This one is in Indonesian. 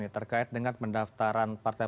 terkait dengan mendaftaran partai